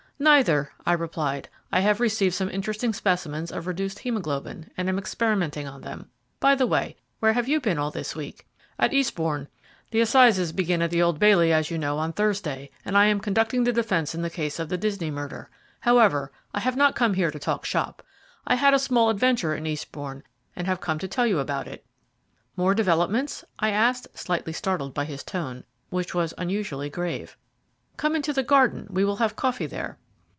"Neither," I replied. "I have received some interesting specimens of reduced hæmoglobin, and am experimenting on them. By the way, where have you been all this week?" "At Eastbourne. The Assizes begin at the Old Bailey, as you know, on Thursday, and I am conducting the defence in the case of the Disney murder. However, I have not come here to talk shop. I had a small adventure at Eastbourne, and have come to tell you about it." "More developments?" I asked, slightly startled by his tone, which was unusually grave. "Come into the garden; we will have coffee there."